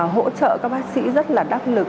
hỗ trợ các bác sĩ rất là đắc lực